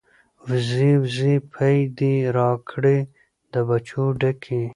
ـ وزې وزې پۍ دې راکړې د پچو ډکې.